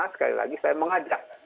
sekali lagi saya mengajak